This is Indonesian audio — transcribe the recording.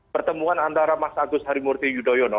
pertemuan antara mas agus harimurti yudhoyono